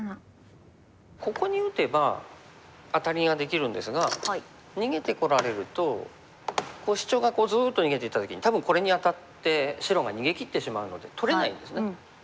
ここに打てばアタリができるんですが逃げてこられるとシチョウがずっと逃げていった時に多分これに当たって白が逃げきってしまうので取れないんですね。